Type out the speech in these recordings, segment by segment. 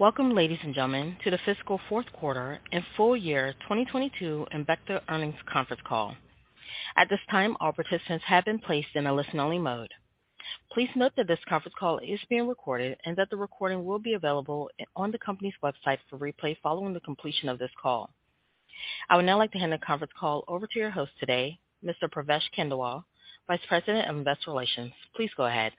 Welcome, ladies and gentlemen, to The Fiscal Fourth Quarter and Full Year 2022 Embecta Earnings Conference Call. At this time, all participants have been placed in a listen-only mode. Please note that this conference call is being recorded, and that the recording will be available on the company's website for replay following the completion of this call. I would now like to hand the conference call over to your host today, Mr. Pravesh Khandelwal, Vice President of Investor Relations. Please go ahead.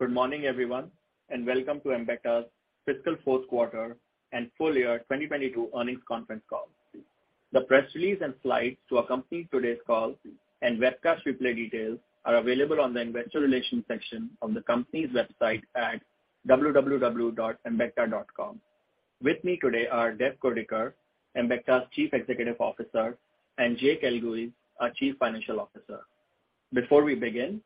Good morning, everyone, and welcome to Embecta's fiscal fourth quarter and full year 2022 earnings conference call. The press release and slides to accompany today's call and webcast replay details are available on the investor relations section of the company's website at www.embecta.com. With me today are Dev Kurdikar, Embecta's Chief Executive Officer, and Jake Elguicze, our Chief Financial Officer. Before we begin,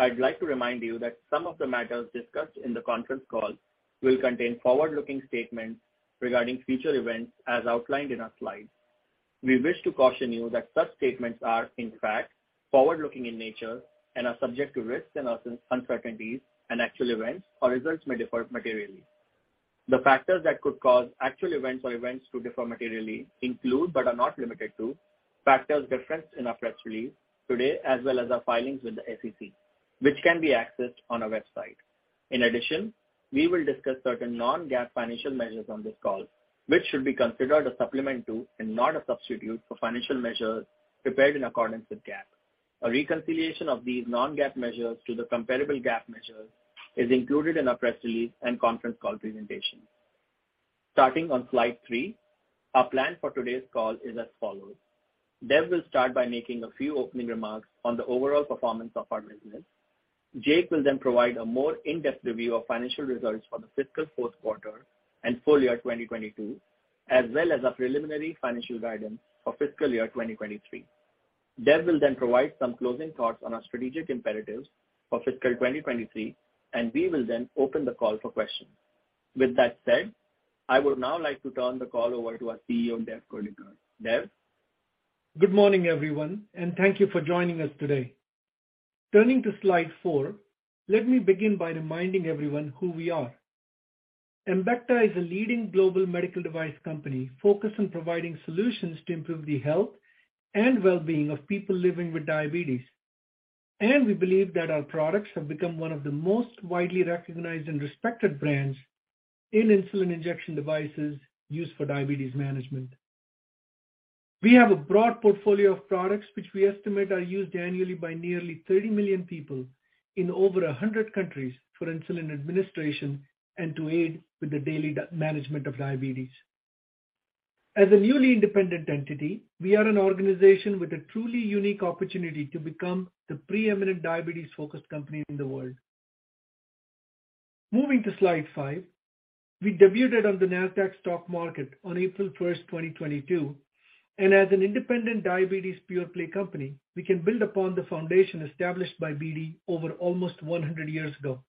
I'd like to remind you that some of the matters discussed in the conference call will contain forward-looking statements regarding future events as outlined in our slides. We wish to caution you that such statements are, in fact, forward-looking in nature and are subject to risks and uncertainties, and actual events or results may differ materially. The factors that could cause actual events or events to differ materially include, but are not limited to, factors referenced in our press release today, as well as our filings with the SEC, which can be accessed on our website. In addition, we will discuss certain non-GAAP financial measures on this call, which should be considered a supplement to, and not a substitute for financial measures prepared in accordance with GAAP. A reconciliation of these non-GAAP measures to the comparable GAAP measures is included in our press release and conference call presentation. Starting on slide three, our plan for today's call is as follows. Dev will start by making a few opening remarks on the overall performance of our business. Jake will then provide a more in-depth review of financial results for the fiscal fourth quarter and full year 2022, as well as our preliminary financial guidance for fiscal year 2023. Dev will then provide some closing thoughts on our strategic imperatives for fiscal 2023. We will then open the call for questions. With that said, I would now like to turn the call over to our CEO, Dev Kurdikar. Dev? Good morning, everyone, and thank you for joining us today. Turning to slide four, let me begin by reminding everyone who we are. Embecta is a leading global medical device company focused on providing solutions to improve the health and well-being of people living with diabetes. We believe that our products have become one of the most widely recognized and respected brands in insulin injection devices used for diabetes management. We have a broad portfolio of products which we estimate are used annually by nearly 30 million people in over 100 countries for insulin administration and to aid with the daily management of diabetes. As a newly independent entity, we are an organization with a truly unique opportunity to become the preeminent diabetes-focused company in the world. Moving to slide five. We debuted on the Nasdaq stock market on April 1st, 2022. As an independent diabetes pure-play company, we can build upon the foundation established by BD over almost 100 years ago.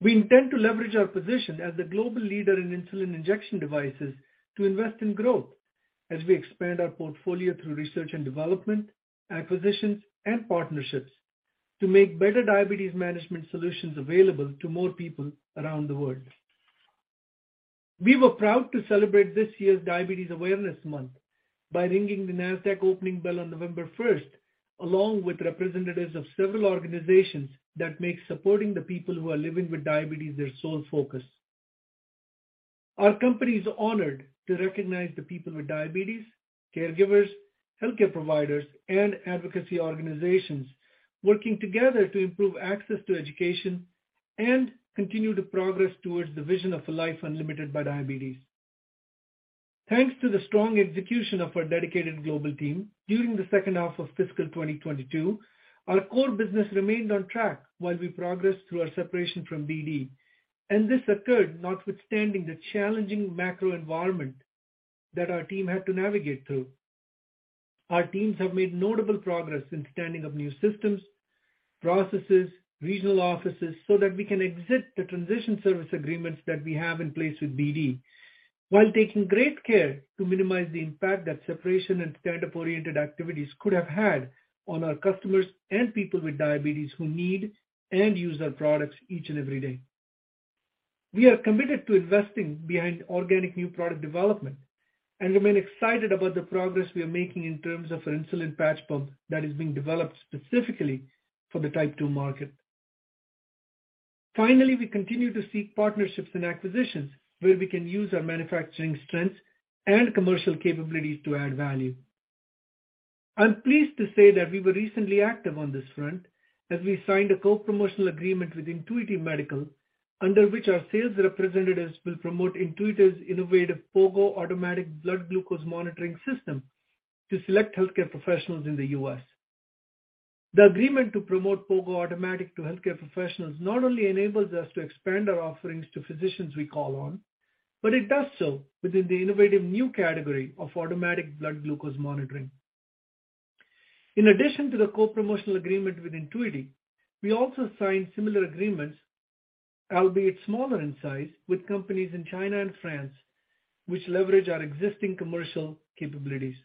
We intend to leverage our position as the global leader in insulin injection devices to invest in growth as we expand our portfolio through research and development, acquisitions and partnerships to make better diabetes management solutions available to more people around the world. We were proud to celebrate this year's Diabetes Awareness Month by ringing the Nasdaq opening bell on November 1st, along with representatives of several organizations that make supporting the people who are living with diabetes their sole focus. Our company is honored to recognize the people with diabetes, caregivers, healthcare providers, and advocacy organizations working together to improve access to education and continue to progress towards the vision of a life unlimited by diabetes. Thanks to the strong execution of our dedicated global team during the second half of fiscal 2022, our core business remained on track while we progressed through our separation from BD. This occurred notwithstanding the challenging macro environment that our team had to navigate through. Our teams have made notable progress in standing up new systems, processes, regional offices, so that we can exit the Transition Service Agreements that we have in place with BD, while taking great care to minimize the impact that separation and stand-up oriented activities could have had on our customers and people with diabetes who need and use our products each and every day. We are committed to investing behind organic new product development and remain excited about the progress we are making in terms of our insulin patch pump that is being developed specifically for the Type 2 market. Finally, we continue to seek partnerships and acquisitions where we can use our manufacturing strengths and commercial capabilities to add value. I'm pleased to say that we were recently active on this front as we signed a co-promotional agreement with Intuity Medical under which our sales representatives will promote Intuity's innovative POGO Automatic Blood Glucose Monitoring System to select healthcare professionals in the US. The agreement to promote POGO Automatic to healthcare professionals not only enables us to expand our offerings to physicians we call on, but it does so within the innovative new category of automatic blood glucose monitoring. In addition to the co-promotional agreement with Intuity, we also signed similar agreements, albeit smaller in size, with companies in China and France, which leverage our existing commercial capabilities.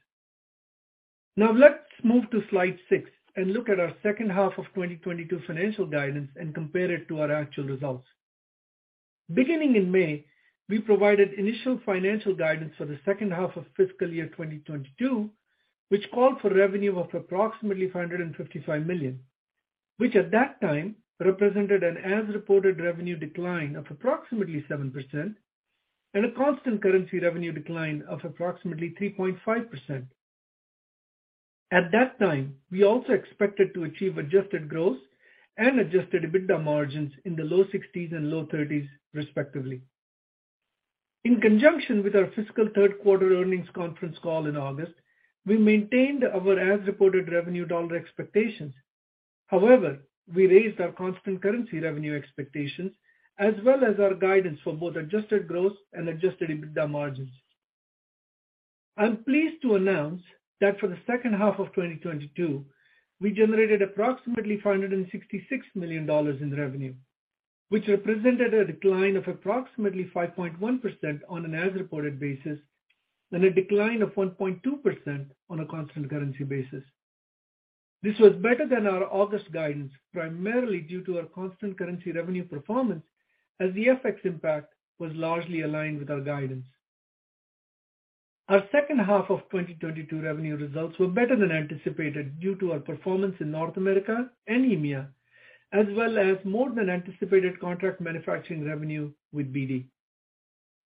Now let's move to slide six and look at our second half of 2022 financial guidance and compare it to our actual results. Beginning in May, we provided initial financial guidance for the second half of fiscal year 2022, which called for revenue of approximately $555 million, which at that time represented an as-reported revenue decline of approximately 7% and a constant currency revenue decline of approximately 3.5%. At that time, we also expected to achieve adjusted gross and adjusted EBITDA margins in the low 60s and low 30s respectively. In conjunction with our fiscal third quarter earnings conference call in August, we maintained our as-reported revenue dollar expectations. However, we raised our constant currency revenue expectations as well as our guidance for both adjusted gross and adjusted EBITDA margins. I'm pleased to announce that for the second half of 2022, we generated approximately $466 million in revenue, which represented a decline of approximately 5.1% on an as-reported basis and a decline of 1.2% on a constant currency basis. This was better than our August guidance, primarily due to our constant currency revenue performance as the FX impact was largely aligned with our guidance. Our second half of 2022 revenue results were better than anticipated due to our performance in North America and EMEA, as well as more than anticipated contract manufacturing revenue with BD.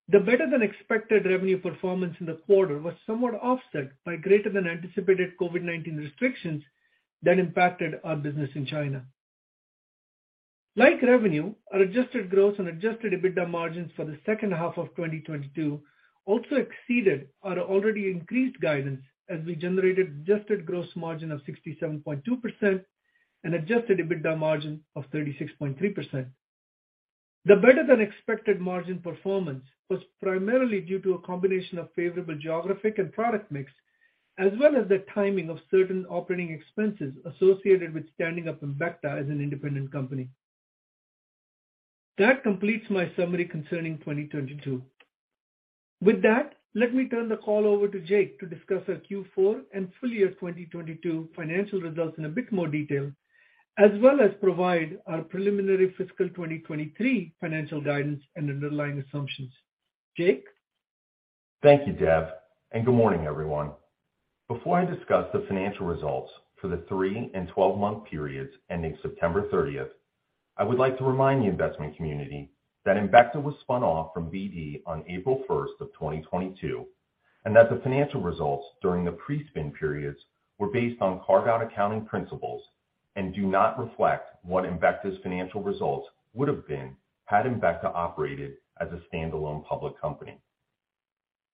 The better than expected revenue performance in the quarter was somewhat offset by greater than anticipated COVID-19 restrictions that impacted our business in China. Like revenue, our adjusted gross and adjusted EBITDA margins for the second half of 2022 also exceeded our already increased guidance as we generated adjusted gross margin of 67.2% and adjusted EBITDA margin of 36.3%. The better than expected margin performance was primarily due to a combination of favorable geographic and product mix, as well as the timing of certain operating expenses associated with standing up Embecta as an independent company. That completes my summary concerning 2022. Let me turn the call over to Jake to discuss our Q4 and full year 2022 financial results in a bit more detail, as well as provide our preliminary fiscal 2023 financial guidance and underlying assumptions. Jake. Thank you, Dev, and good morning, everyone. Before I discuss the financial results for the three and 12-month periods ending September 30, I would like to remind the investment community that Embecta was spun off from BD on April 1, 2022, and that the financial results during the pre-spin periods were based on carve-out accounting principles and do not reflect what Embecta's financial results would have been had Embecta operated as a standalone public company.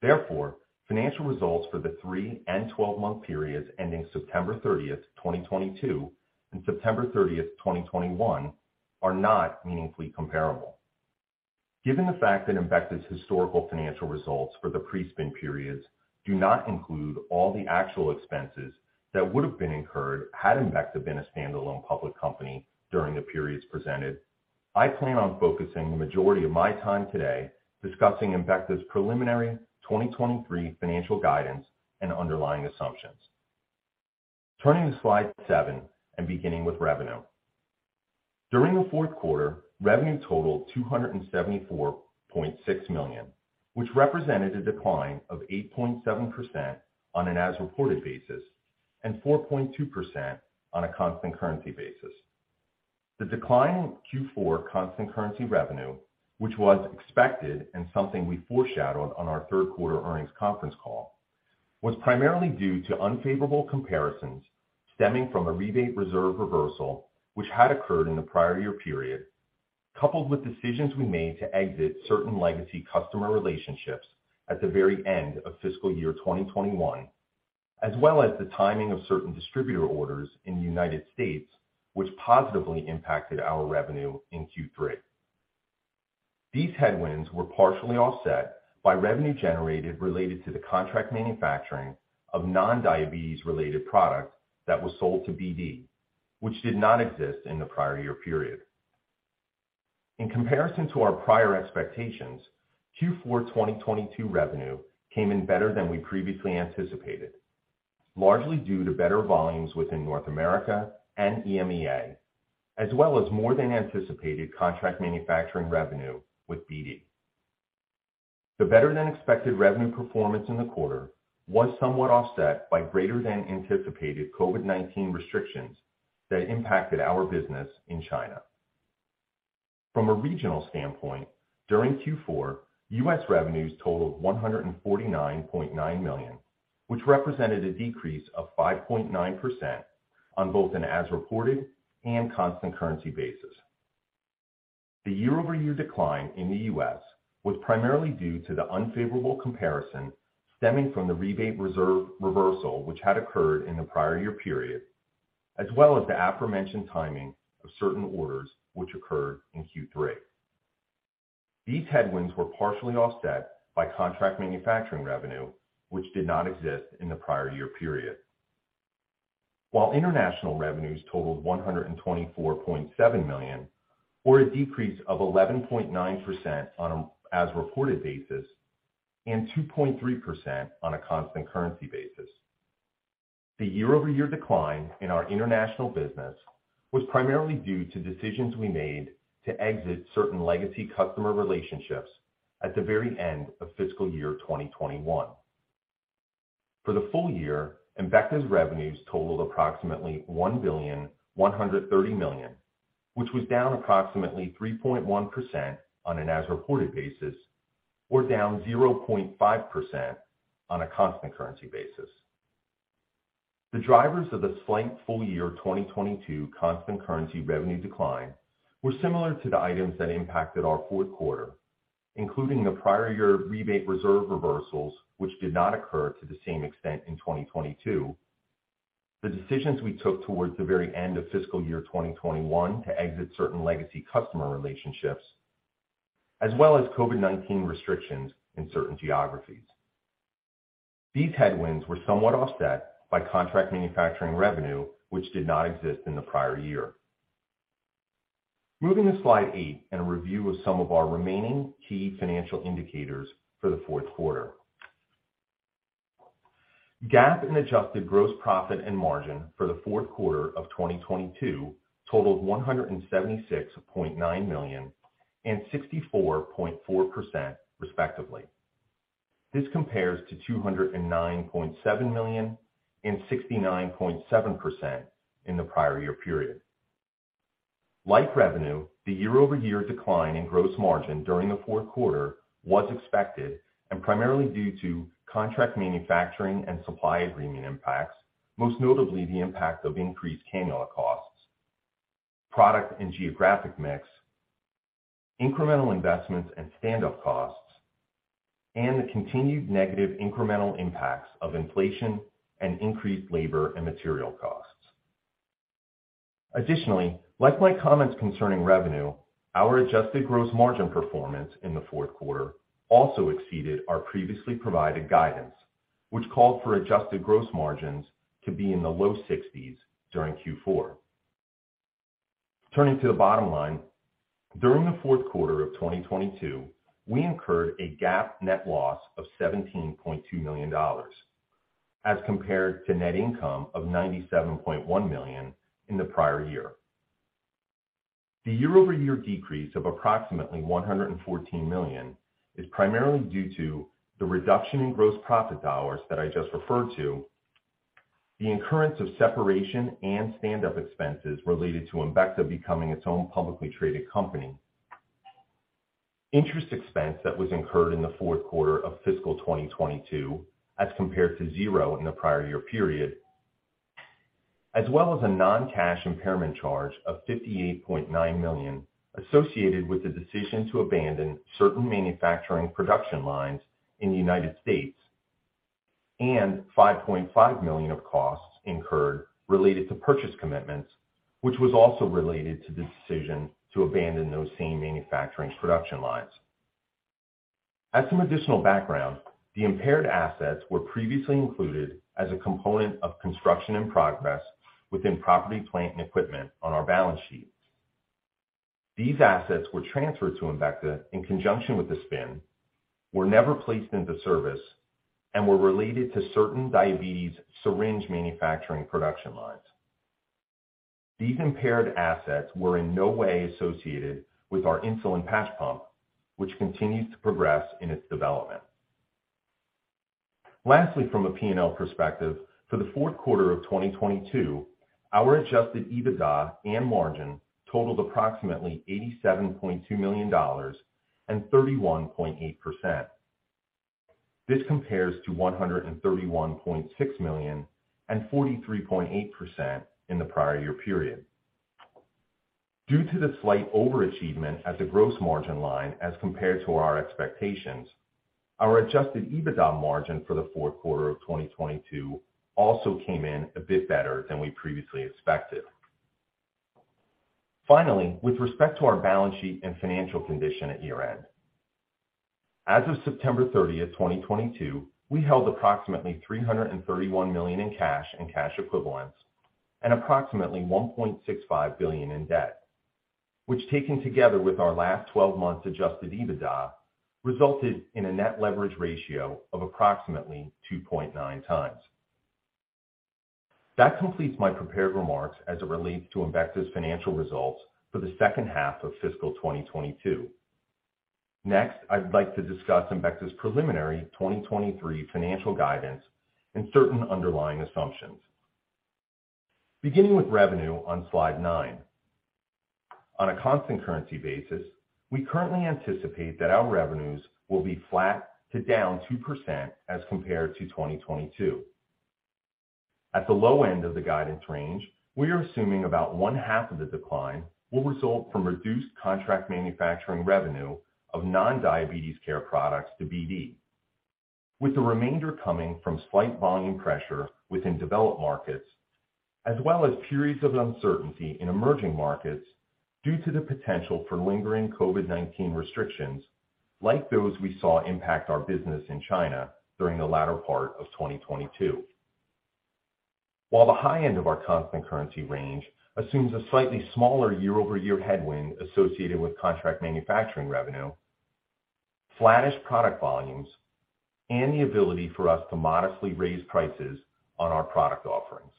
Therefore, financial results for the three and 12-month periods ending September 30, 2022 and September 30, 2021 are not meaningfully comparable. Given the fact that Embecta's historical financial results for the pre-spin periods do not include all the actual expenses that would have been incurred had Embecta been a standalone public company during the periods presented, I plan on focusing the majority of my time today discussing Embecta's preliminary 2023 financial guidance and underlying assumptions. Turning to slide seven and beginning with revenue. During the fourth quarter, revenue totaled $274.6 million, which represented a decline of 8.7% on an as-reported basis and 4.2% on a constant currency basis. The decline in Q4 constant currency revenue, which was expected and something we foreshadowed on our 3rd quarter earnings conference call, was primarily due to unfavorable comparisons stemming from a rebate reserve reversal which had occurred in the prior year period, coupled with decisions we made to exit certain legacy customer relationships at the very end of fiscal year 2021, as well as the timing of certain distributor orders in the United States, which positively impacted our revenue in Q3. These headwinds were partially offset by revenue generated related to the contract manufacturing of non-diabetes related products that were sold to BD, which did not exist in the prior year period. In comparison to our prior expectations, Q4 2022 revenue came in better than we previously anticipated, largely due to better volumes within North America and EMEA, as well as more than anticipated contract manufacturing revenue with BD. The better-than-expected revenue performance in the quarter was somewhat offset by greater than anticipated COVID-19 restrictions that impacted our business in China. From a regional standpoint, during Q4, U.S. revenues totaled $149.9 million, which represented a decrease of 5.9% on both an as-reported and constant currency basis. The year-over-year decline in the U.S. was primarily due to the unfavorable comparison stemming from the rebate reserve reversal which had occurred in the prior year period, as well as the aforementioned timing of certain orders which occurred in Q3. These headwinds were partially offset by contract manufacturing revenue, which did not exist in the prior year period. International revenues totaled $124.7 million, or a decrease of 11.9% on an as-reported basis and 2.3% on a constant currency basis. The year-over-year decline in our international business was primarily due to decisions we made to exit certain legacy customer relationships at the very end of fiscal year 2021. For the full year, Embecta's revenues totaled approximately $1.13 billion, which was down approximately 3.1% on an as-reported basis, or down 0.5% on a constant currency basis. The drivers of the slight full year 2022 constant currency revenue decline were similar to the items that impacted our fourth quarter, including the prior year rebate reserve reversals, which did not occur to the same extent in 2022, the decisions we took towards the very end of fiscal year 2021 to exit certain legacy customer relationships as well as COVID-19 restrictions in certain geographies. These headwinds were somewhat offset by contract manufacturing revenue, which did not exist in the prior year. Moving to slide eight and a review of some of our remaining key financial indicators for the fourth quarter. GAAP and adjusted gross profit and margin for the fourth quarter of 2022 totaled $176.9 million and 64.4% respectively. This compares to $209.7 million and 69.7% in the prior year period. Like revenue, the year-over-year decline in gross margin during the fourth quarter was expected and primarily due to contract manufacturing and supply agreement impacts, most notably the impact of increased cannula costs, product and geographic mix, incremental investments and standup costs, and the continued negative incremental impacts of inflation and increased labor and material costs. Additionally, like my comments concerning revenue, our adjusted gross margin performance in the fourth quarter also exceeded our previously provided guidance, which called for adjusted gross margins to be in the low sixties during Q4. Turning to the bottom line. During the fourth quarter of 2022, we incurred a GAAP net loss of $17.2 million, as compared to net income of $97.1 million in the prior year. The year-over-year decrease of approximately $114 million is primarily due to the reduction in gross profit dollars that I just referred to, the incurrence of separation and standup expenses related to Embecta becoming its own publicly traded company. Interest expense that was incurred in the fourth quarter of fiscal 2022 as compared to zero in the prior year period. As well as a non-cash impairment charge of $58.9 million associated with the decision to abandon certain manufacturing production lines in the U.S., and $5.5 million of costs incurred related to purchase commitments, which was also related to the decision to abandon those same manufacturing production lines. As some additional background, the impaired assets were previously included as a component of construction in progress within property, plant and equipment on our balance sheet. These assets were transferred to Embecta in conjunction with the spin, were never placed into service, and were related to certain diabetes syringe manufacturing production lines. These impaired assets were in no way associated with our insulin patch pump, which continues to progress in its development. Lastly, from a P&L perspective, for the fourth quarter of 2022, our adjusted EBITDA and margin totaled approximately $87.2 million and 31.8%. This compares to $131.6 million and 43.8% in the prior year period. Due to the slight overachievement at the gross margin line as compared to our expectations, our adjusted EBITDA margin for the fourth quarter of 2022 also came in a bit better than we previously expected. With respect to our balance sheet and financial condition at year-end. As of September 30th, 2022, we held approximately $331 million in cash and cash equivalents, and approximately $1.65 billion in debt, which, taken together with our last 12 months adjusted EBITDA, resulted in a net leverage ratio of approximately 2.9x. That completes my prepared remarks as it relates to Embecta's financial results for the second half of fiscal 2022. I'd like to discuss Embecta's preliminary 2023 financial guidance and certain underlying assumptions. Beginning with revenue on slide nine. On a constant currency basis, we currently anticipate that our revenues will be flat to down 2% as compared to 2022. At the low end of the guidance range, we are assuming about one half of the decline will result from reduced contract manufacturing revenue of non-diabetes care products to BD, with the remainder coming from slight volume pressure within developed markets as well as periods of uncertainty in emerging markets due to the potential for lingering COVID-19 restrictions, like those we saw impact our business in China during the latter part of 2022. While the high end of our constant currency range assumes a slightly smaller year-over-year headwind associated with contract manufacturing revenue, flattish product volumes, and the ability for us to modestly raise prices on our product offerings.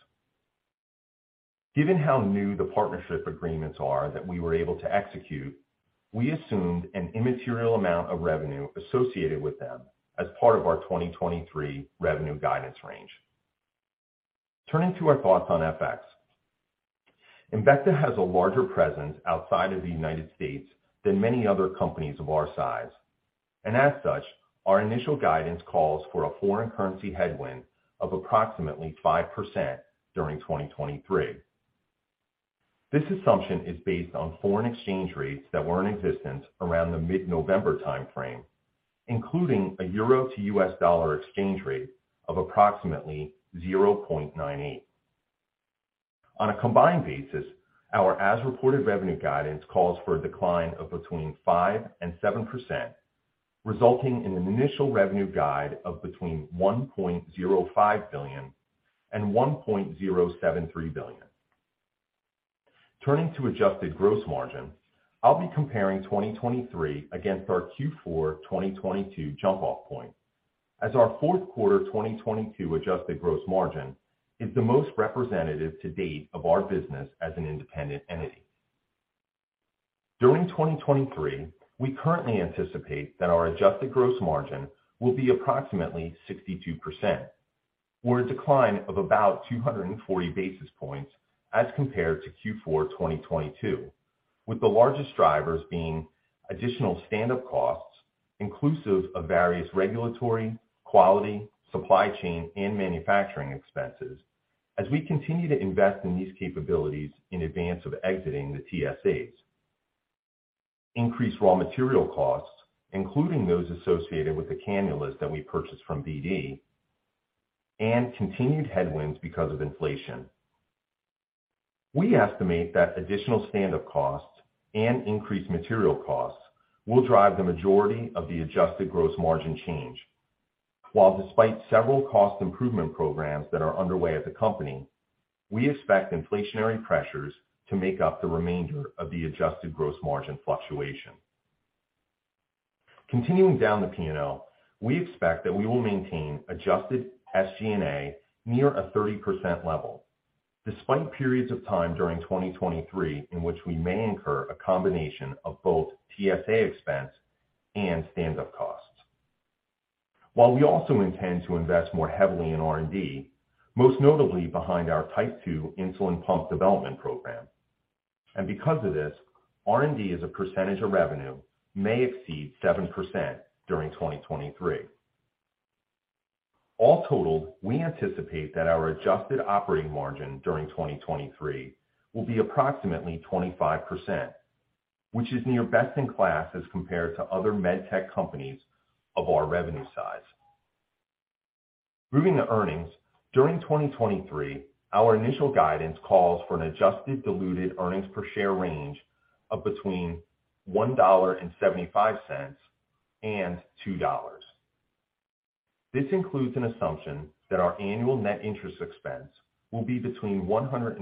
Given how new the partnership agreements are that we were able to execute, we assumed an immaterial amount of revenue associated with them as part of our 2023 revenue guidance range. Turning to our thoughts on FX. Embecta has a larger presence outside of the United States than many other companies of our size. As such, our initial guidance calls for a foreign currency headwind of approximately 5% during 2023. This assumption is based on foreign exchange rates that were in existence around the mid-November time frame, including a euro to U.S. dollar exchange rate of approximately 0.98. On a combined basis, our as-reported revenue guidance calls for a decline of between 5% and 7%, resulting in an initial revenue guide of between $1.05 billion and $1.073 billion. Turning to adjusted gross margin, I'll be comparing 2023 against our Q4 2022 jump off point as our fourth quarter 2022 adjusted gross margin is the most representative to date of our business as an independent entity. During 2023, we currently anticipate that our adjusted gross margin will be approximately 62%, or a decline of about 240 basis points as compared to Q4 2022, with the largest drivers being additional standup costs inclusive of various regulatory, quality, supply chain, and manufacturing expenses as we continue to invest in these capabilities in advance of exiting the TSAs. Increased raw material costs, including those associated with the cannulas that we purchased from BD, and continued headwinds because of inflation. We estimate that additional standup costs and increased material costs will drive the majority of the adjusted gross margin change. Despite several cost improvement programs that are underway at the company, we expect inflationary pressures to make up the remainder of the adjusted gross margin fluctuation. Continuing down the P&L, we expect that we will maintain adjusted SG&A near a 30% level despite periods of time during 2023 in which we may incur a combination of both TSA expense and standup costs. We also intend to invest more heavily in R&D, most notably behind our Type 2 insulin pump development program. Because of this, R&D as a percentage of revenue may exceed 7% during 2023. All totaled, we anticipate that our adjusted operating margin during 2023 will be approximately 25%, which is near best in class as compared to other medtech companies of our revenue size. Moving to earnings, during 2023, our initial guidance calls for an adjusted diluted earnings per share range of between $1.75 and $2.00. This includes an assumption that our annual net interest expense will be between $115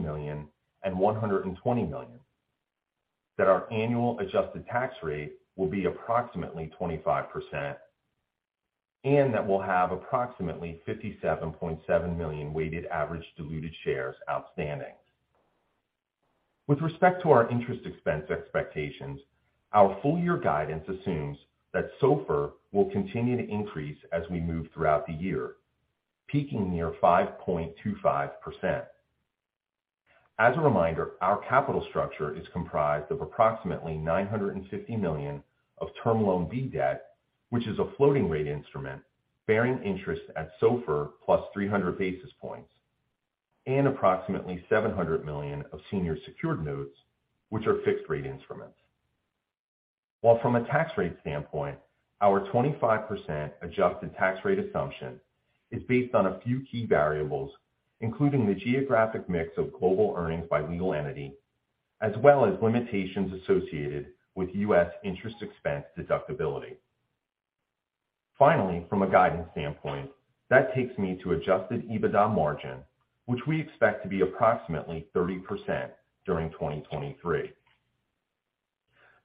million and $120 million, that our annual adjusted tax rate will be approximately 25%, and that we'll have approximately 57.7 million weighted average diluted shares outstanding. With respect to our interest expense expectations, our full year guidance assumes that SOFR will continue to increase as we move throughout the year, peaking near 5.25%. As a reminder, our capital structure is comprised of approximately $950 million of Term Loan B debt, which is a floating rate instrument bearing interest at SOFR plus 300 basis points, and approximately $700 million of senior secured notes, which are fixed rate instruments. From a tax rate standpoint, our 25% adjusted tax rate assumption is based on a few key variables, including the geographic mix of global earnings by legal entity, as well as limitations associated with U.S. interest expense deductibility. Finally, from a guidance standpoint, that takes me to adjusted EBITDA margin, which we expect to be approximately 30% during 2023.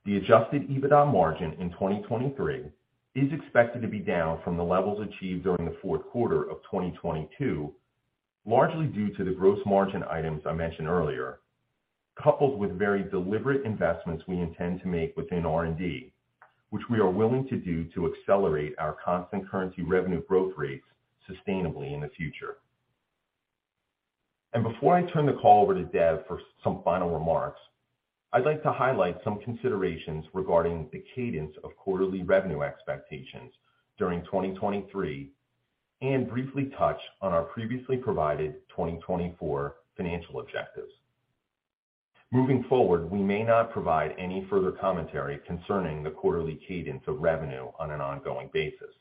The adjusted EBITDA margin in 2023 is expected to be down from the levels achieved during the fourth quarter of 2022, largely due to the gross margin items I mentioned earlier, coupled with very deliberate investments we intend to make within R&D. Which we are willing to do to accelerate our constant currency revenue growth rates sustainably in the future. Before I turn the call over to Dev for some final remarks, I'd like to highlight some considerations regarding the cadence of quarterly revenue expectations during 2023, and briefly touch on our previously provided 2024 financial objectives. Moving forward, we may not provide any further commentary concerning the quarterly cadence of revenue on an ongoing basis.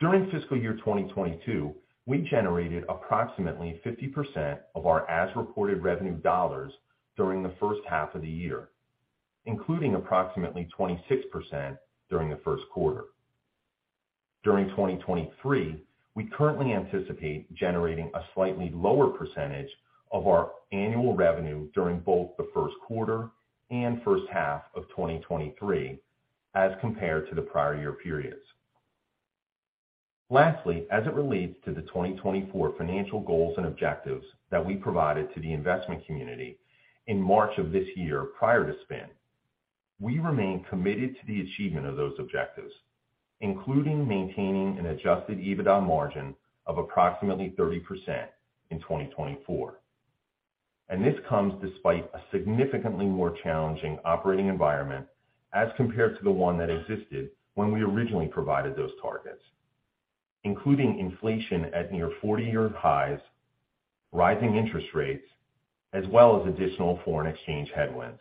During fiscal year 2022, we generated approximately 50% of our as-reported revenue dollars during the first half of the year, including approximately 26% during the first quarter. During 2023, we currently anticipate generating a slightly lower % of our annual revenue during both the first quarter and first half of 2023 as compared to the prior year periods. Lastly, as it relates to the 2024 financial goals and objectives that we provided to the investment community in March of this year prior to spin, we remain committed to the achievement of those objectives, including maintaining an adjusted EBITDA margin of approximately 30% in 2024. This comes despite a significantly more challenging operating environment as compared to the one that existed when we originally provided those targets, including inflation at near 40-year highs, rising interest rates, as well as additional foreign exchange headwinds.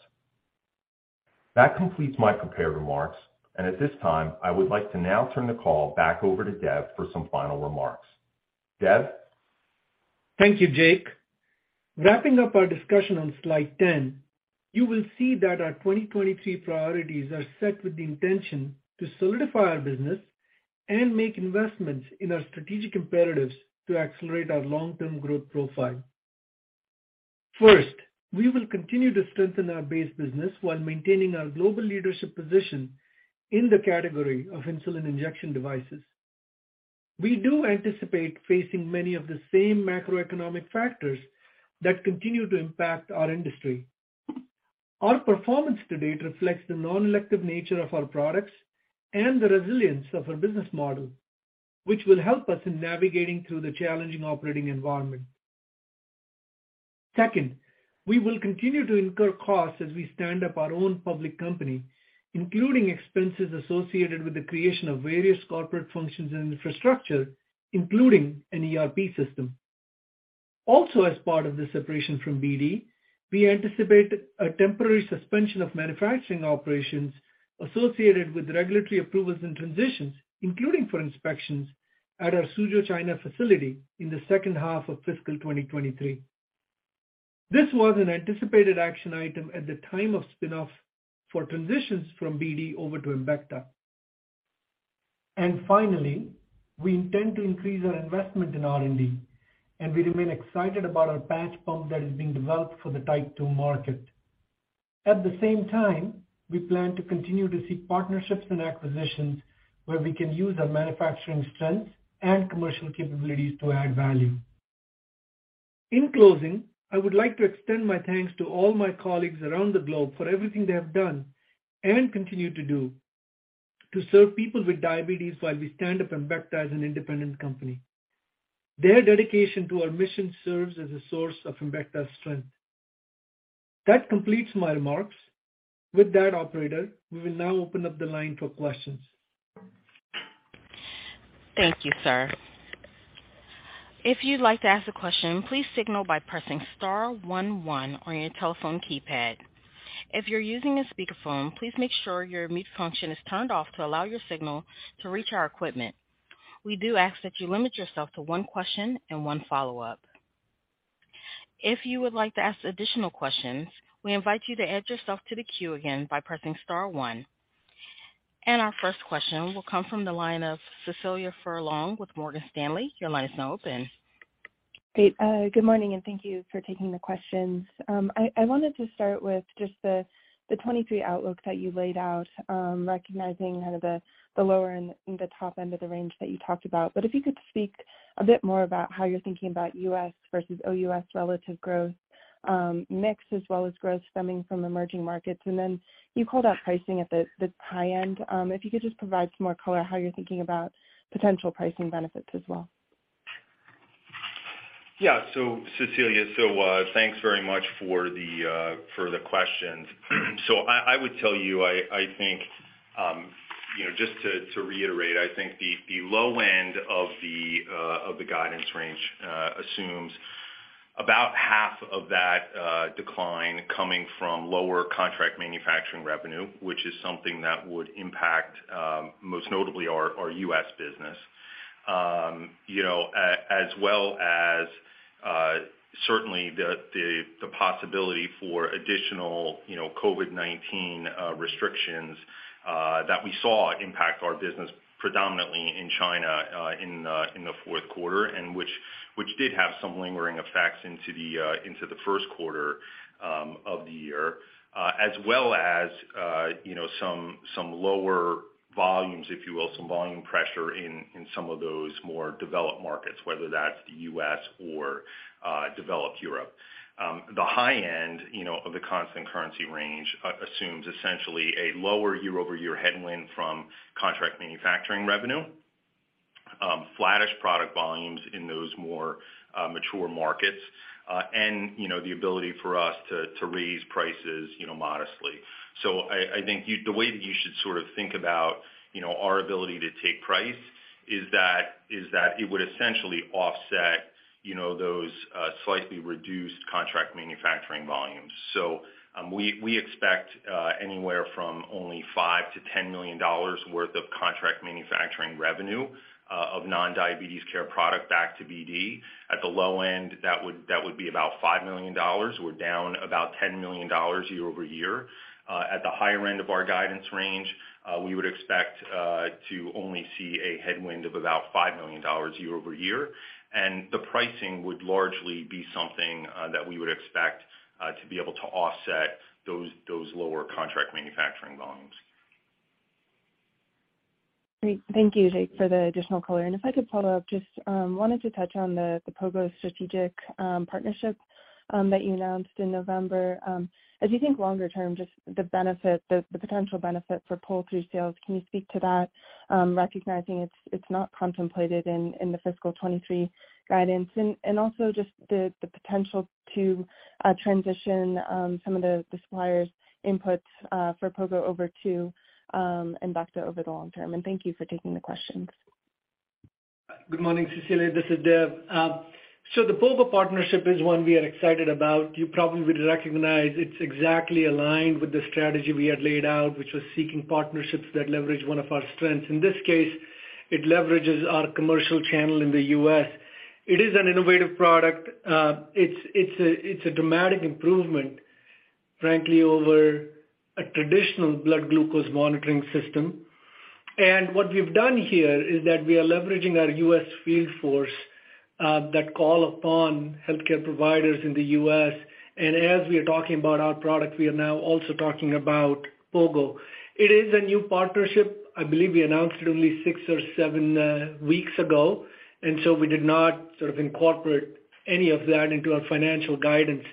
That completes my prepared remarks, and at this time, I would like to now turn the call back over to Dev for some final remarks. Dev? Thank you, Jake. Wrapping up our discussion on slide 10, you will see that our 2023 priorities are set with the intention to solidify our business and make investments in our strategic imperatives to accelerate our long-term growth profile. First, we will continue to strengthen our base business while maintaining our global leadership position in the category of insulin injection devices. We do anticipate facing many of the same macroeconomic factors that continue to impact our industry. Our performance to date reflects the non-elective nature of our products and the resilience of our business model, which will help us in navigating through the challenging operating environment. Second, we will continue to incur costs as we stand up our own public company, including expenses associated with the creation of various corporate functions and infrastructure, including an ERP system. Also, as part of the separation from BD, we anticipate a temporary suspension of manufacturing operations associated with regulatory approvals and transitions, including for inspections at our Suzhou, China facility in the second half of fiscal 2023. This was an anticipated action item at the time of spin-off for transitions from BD over to Embecta. Finally, we intend to increase our investment in R&D, and we remain excited about our patch pump that is being developed for the Type 2 market. At the same time, we plan to continue to seek partnerships and acquisitions where we can use our manufacturing strengths and commercial capabilities to add value. In closing, I would like to extend my thanks to all my colleagues around the globe for everything they have done and continue to do to serve people with diabetes while we stand up Embecta as an independent company. Their dedication to our mission serves as a source of Embecta's strength. That completes my remarks. With that, operator, we will now open up the line for questions. Thank you, sir. If you'd like to ask a question, please signal by pressing star one one on your telephone keypad. If you're using a speakerphone, please make sure your mute function is turned off to allow your signal to reach our equipment. We do ask that you limit yourself to one question and one follow-up. If you would like to ask additional questions, we invite you to add yourself to the queue again by pressing star one. Our first question will come from the line of Cecilia Furlong with Morgan Stanley. Your line is now open. Great. Good morning, thank you for taking the questions. I wanted to start with just the 2023 outlook that you laid out, recognizing kind of the lower and the top end of the range that you talked about. If you could speak a bit more about how you're thinking about U.S. versus OUS relative growth, mix, as well as growth stemming from emerging markets. Then you called out pricing at the high end. If you could just provide some more color how you're thinking about potential pricing benefits as well. Yeah. Cecilia, thanks very much for the questions. I would tell you, I think, you know, just to reiterate, I think the low end of the guidance range, assumes about half of that decline coming from lower contract manufacturing revenue, which is something that would impact most notably our U.S. business. As well as, certainly the possibility for additional, you know, COVID-19 restrictions, that we saw impact our business predominantly in China, in the fourth quarter, and which did have some lingering effects into the first quarter of the year. As well as, you know, some lower volumes, if you will, some volume pressure in some of those more developed markets, whether that's the U.S. or developed Europe. The high end, you know, of the constant currency range assumes essentially a lower year-over-year headwind from contract manufacturing revenue, flattish product volumes in those more mature markets, and, you know, the ability for us to raise prices, you know, modestly. I think the way that you should sort of think about, you know, our ability to take price is that it would essentially offset, you know, those slightly reduced contract manufacturing volumes. We expect anywhere from only $5 million-$10 million worth of contract manufacturing revenue of non-diabetes care product back to BD. At the low end, that would be about $5 million. We're down about $10 million year-over-year. At the higher end of our guidance range, we would expect to only see a headwind of about $5 million year-over-year. The pricing would largely be something that we would expect to be able to offset those lower contract manufacturing volumes. Great. Thank you, Jake, for the additional color. If I could follow up, just wanted to touch on the POGO strategic partnership that you announced in November. As you think longer term, just the potential benefit for pull-through sales, can you speak to that, recognizing it's not contemplated in the fiscal 23 guidance? Also just the potential to transition some of the suppliers inputs for POGO over to Embecta over the long term. Thank you for taking the questions. Good morning, Cecilia. This is Dev. The POGO partnership is one we are excited about. You probably would recognize it's exactly aligned with the strategy we had laid out, which was seeking partnerships that leverage one of our strengths. In this case, it leverages our commercial channel in the U.S. It is an innovative product. It's a dramatic improvement, frankly, over a traditional blood glucose monitoring system. What we've done here is that we are leveraging our U.S. field force, that call upon healthcare providers in the U.S. As we are talking about our product, we are now also talking about POGO. It is a new partnership. I believe we announced it only six or seven weeks ago, we did not sort of incorporate any of that into our financial guidance.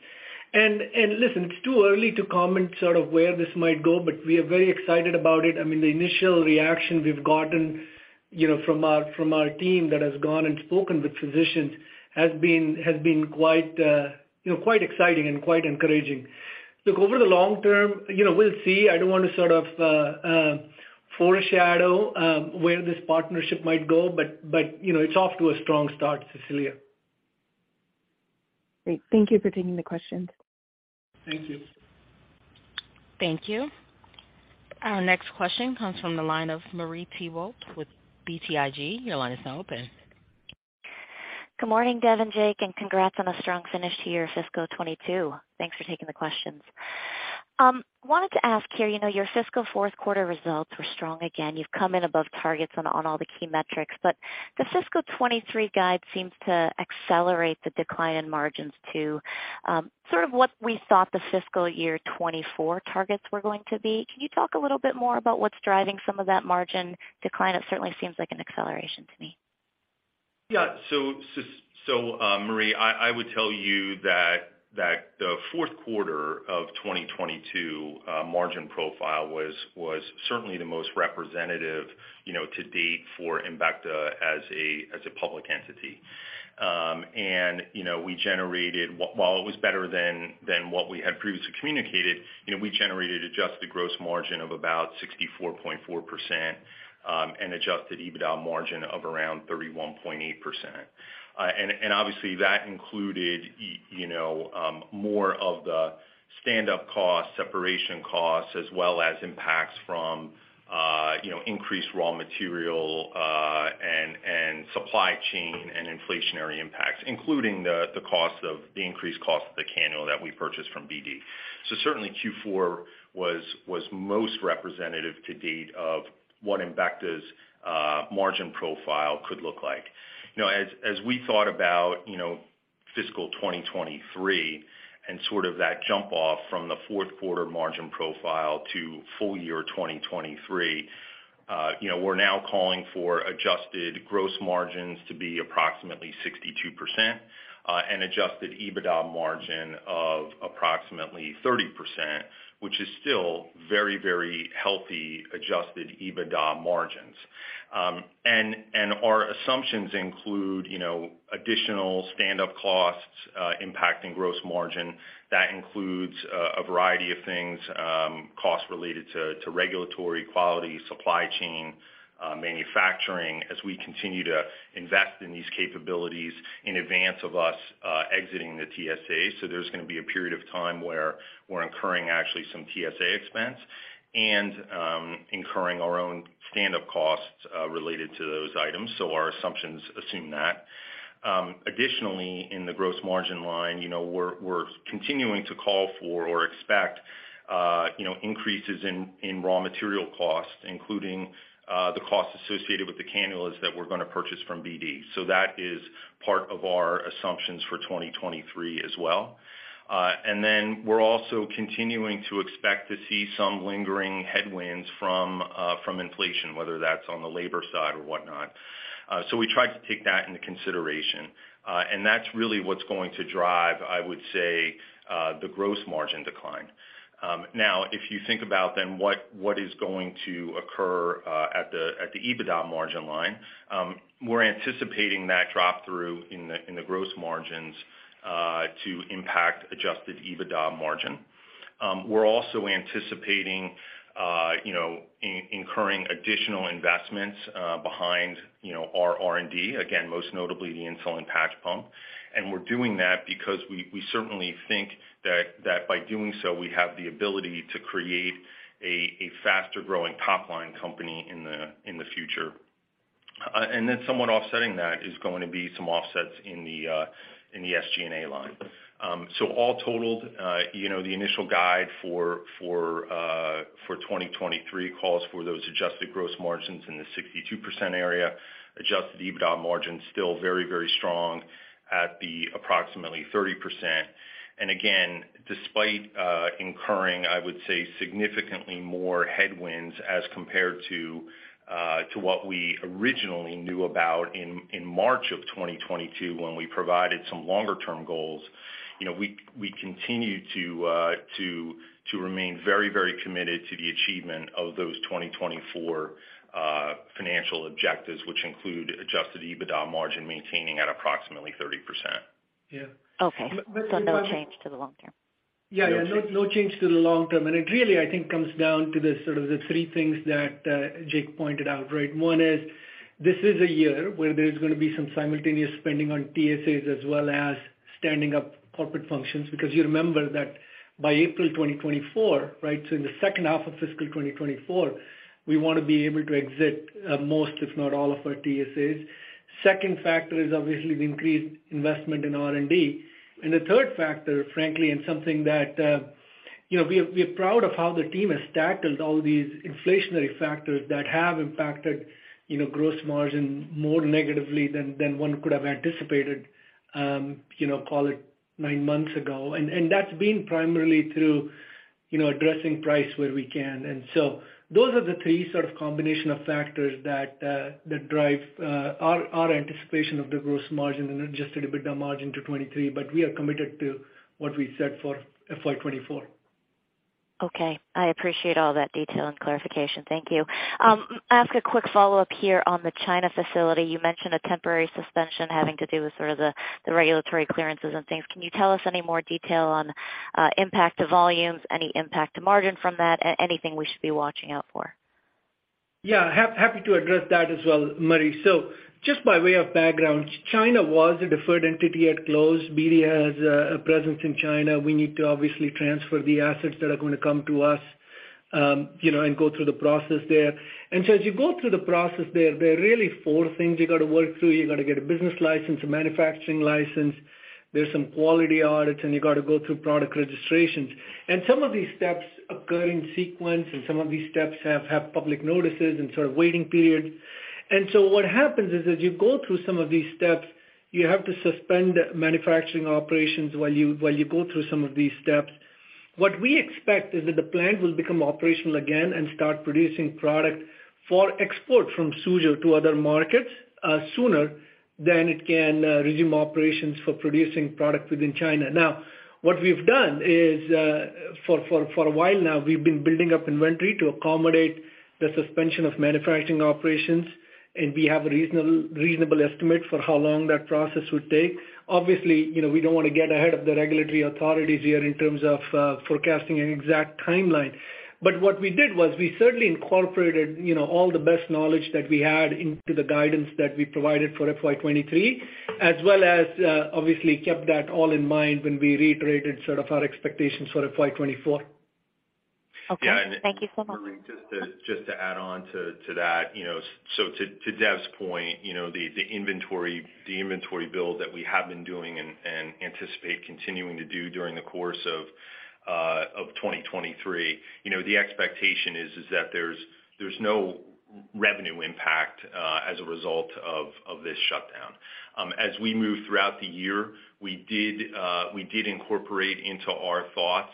Listen, it's too early to comment sort of where this might go, but we are very excited about it. I mean, the initial reaction we've gotten, you know, from our, from our team that has gone and spoken with physicians has been quite, you know, quite exciting and quite encouraging. Look, over the long term, you know, we'll see. I don't want to sort of foreshadow where this partnership might go, but, you know, it's off to a strong start, Cecilia. Great. Thank you for taking the questions. Thank you. Thank you. Our next question comes from the line of Marie Thibault with BTIG. Your line is now open. Good morning, Dev and Jake. Congrats on a strong finish to your fiscal 2022. Thanks for taking the questions. Wanted to ask here, you know, your fiscal fourth quarter results were strong again. You've come in above targets on all the key metrics, the fiscal 2023 guide seems to accelerate the decline in margins to sort of what we thought the fiscal year 2024 targets were going to be. Can you talk a little bit more about what's driving some of that margin decline? It certainly seems like an acceleration to me. Marie, I would tell you that the fourth quarter of 2022 margin profile was certainly the most representative, you know, to date for Embecta as a public entity. We generated while it was better than what we had previously communicated, you know, we generated adjusted gross margin of about 64.4% and adjusted EBITDA margin of around 31.8%. Obviously that included, you know, more of the standup costs, separation costs, as well as impacts from, you know, increased raw material and supply chain and inflationary impacts, including the increased cost of the cannula that we purchased from BD. Certainly Q4 was most representative to date of what Embecta's margin profile could look like. You know, as we thought about, you know, fiscal 2023 and sort of that jump off from the fourth quarter margin profile to full year 2023, you know, we're now calling for adjusted gross margins to be approximately 62%, and adjusted EBITDA margin of approximately 30%, which is still very, very healthy adjusted EBITDA margins. And our assumptions include, you know, additional stand-up costs, impacting gross margin. That includes a variety of things, costs related to regulatory quality, supply chain, manufacturing as we continue to invest in these capabilities in advance of us exiting the TSA. So there's gonna be a period of time where we're incurring actually some TSA expense and incurring our own standup costs related to those items. Our assumptions assume that. Additionally, in the gross margin line, you know, we're continuing to call for or expect, you know, increases in raw material costs, including the costs associated with the cannulas that we're gonna purchase from BD. That is part of our assumptions for 2023 as well. Then we're also continuing to expect to see some lingering headwinds from inflation, whether that's on the labor side or whatnot. We tried to take that into consideration. That's really what's going to drive, I would say, the gross margin decline. Now if you think about then what is going to occur at the EBITDA margin line, we're anticipating that drop through in the gross margins to impact adjusted EBITDA margin. We're also anticipating, you know, incurring additional investments behind, you know, our R&D, again, most notably the insulin patch pump. We're doing that because we certainly think that by doing so, we have the ability to create a faster-growing top-line company in the future. Somewhat offsetting that is going to be some offsets in the SG&A line. All totaled, you know, the initial guide for 2023 calls for those adjusted gross margins in the 62% area, adjusted EBITDA margin still very, very strong at the approximately 30%. Again, despite incurring, I would say, significantly more headwinds as compared to what we originally knew about in March of 2022, when we provided some longer-term goals. You know, we continue to remain very, very committed to the achievement of those 2024 financial objectives, which include adjusted EBITDA margin maintaining at approximately 30%. Yeah. Okay. No change to the long term? Yeah, yeah. No, no change to the long term. It really, I think, comes down to the sort of the three things that Jake pointed out, right? One is, this is a year where there's gonna be some simultaneous spending on TSAs as well as standing up corporate functions, because you remember that by April 2024, right, so in the second half of fiscal 2024, we wanna be able to exit most, if not all of our TSAs. Second factor is obviously the increased investment in R&D. The third factor, frankly, and something that, you know, we are proud of how the team has tackled all these inflationary factors that have impacted, you know, gross margin more negatively than one could have anticipated, you know, call it nine months ago. That's been primarily through, you know, addressing price where we can. Those are the three sort of combination of factors that drive our anticipation of the gross margin and adjusted EBITDA margin to 23. We are committed to what we said for FY 2024. Okay. I appreciate all that detail and clarification. Thank you. Ask a quick follow-up here on the China facility. You mentioned a temporary suspension having to do with sort of the regulatory clearances and things. Can you tell us any more detail on impact to volumes, any impact to margin from that? Anything we should be watching out for? Yeah. Happy to address that as well, Marie. Just by way of background, China was a deferred entity at close. BD has a presence in China. We need to obviously transfer the assets that are gonna come to us, you know, and go through the process there. As you go through the process there are really four things you gotta work through. You gotta get a business license, a manufacturing license, there's some quality audits, and you gotta go through product registrations. Some of these steps occur in sequence, and some of these steps have public notices and sort of waiting periods. What happens is, as you go through some of these steps, you have to suspend manufacturing operations while you go through some of these steps. What we expect is that the plant will become operational again and start producing product for export from Suzhou to other markets, sooner than it can resume operations for producing product within China. What we've done is for a while now, we've been building up inventory to accommodate the suspension of manufacturing operations, and we have a reasonable estimate for how long that process would take. Obviously, you know, we don't wanna get ahead of the regulatory authorities here in terms of forecasting an exact timeline. What we did was we certainly incorporated, you know, all the best knowledge that we had into the guidance that we provided for FY23, as well as obviously kept that all in mind when we reiterated sort of our expectations for FY24. Okay. Thank you so much. Yeah, Marie, just to add on to that. You know, to Dev's point, you know, the inventory build that we have been doing and anticipate continuing to do during the course of 2023, you know, the expectation is that there's no revenue impact as a result of this shutdown. As we move throughout the year, we did incorporate into our thoughts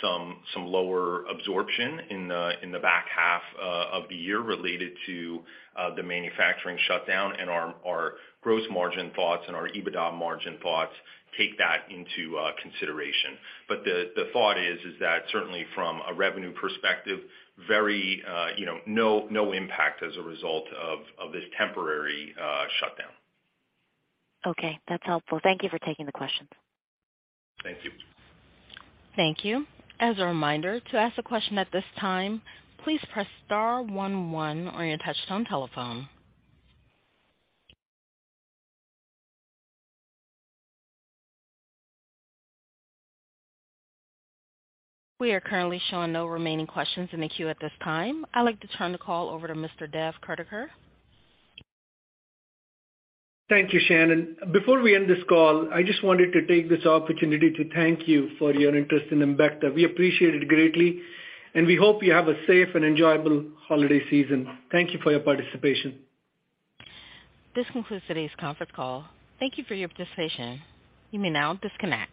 some lower absorption in the back half of the year related to the manufacturing shutdown and our gross margin thoughts and our EBITDA margin thoughts take that into consideration. The thought is that certainly from a revenue perspective, very, you know, no impact as a result of this temporary shutdown. Okay, that's helpful. Thank you for taking the questions. Thank you. Thank you. As a reminder, to ask a question at this time, please press star one one on your touchtone telephone. We are currently showing no remaining questions in the queue at this time. I'd like to turn the call over to Mr. Dev Kurdikar. Thank you, Shannon. Before we end this call, I just wanted to take this opportunity to thank you for your interest in Embecta. We appreciate it greatly, and we hope you have a safe and enjoyable holiday season. Thank you for your participation. This concludes today's conference call. Thank you for your participation. You may now disconnect.